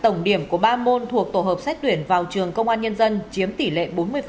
tổng điểm của ba môn thuộc tổ hợp xét tuyển vào trường công an nhân dân chiếm tỷ lệ bốn mươi